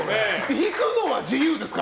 引くのは自由ですから。